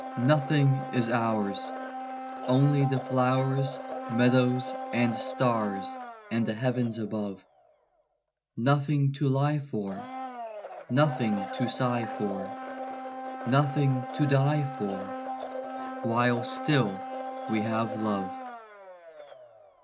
Nothing is ours, Only the flowers, Meadows, and stars, and the heavens above; Nothing to lie for, Nothing to sigh for, Nothing to die for While still we have love.